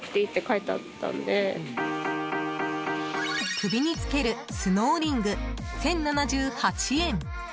首につけるスノーリング１０７８円。